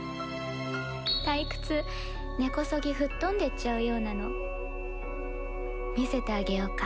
退屈、根こそぎ吹っ飛んでいっちゃうようなの、見せてあげようか。